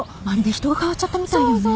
まるで人が変わっちゃったみたいよねえ。